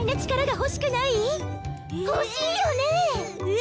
欲しいよね？